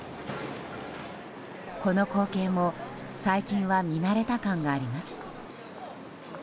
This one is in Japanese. この光景も最近は見慣れた感があります。